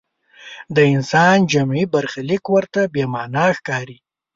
د انسان جمعي برخلیک ورته بې معنا ښکاري.